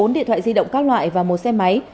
bốn điện thoại di động các loại và một xe máy